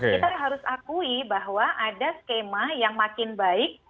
kita harus akui bahwa ada skema yang makin baik